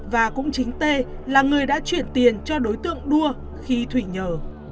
và cũng chính t là người đã chuyển tiền cho đối tượng đua khi thủy nhờ